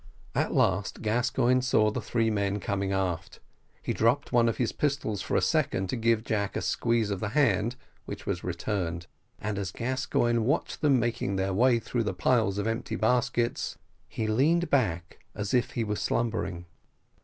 At last Gascoigne saw the three men coming aft he dropped one of his pistols for a second to give Jack a squeeze of the hand, which was returned, and as Gascoigne watched them making their way through the piles of empty baskets he leaned back as if he was slumbering.